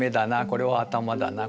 これは頭だな。